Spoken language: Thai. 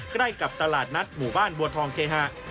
ใกล้กับตลาดนัดหมู่บ้านบัวทองเคหะ